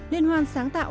liên hoan sáng tạo